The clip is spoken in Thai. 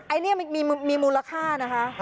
ไอ้เนี่ยมีมีมูลค่านะคะ